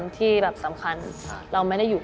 อเรนนี่แล้วอเรนนี่แล้วอเรนนี่แล้ว